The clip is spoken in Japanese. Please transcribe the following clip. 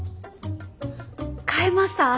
買えました！？